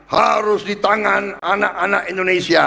harus di tangan anak anak indonesia